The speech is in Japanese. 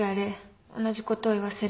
「同じことを言わせるな」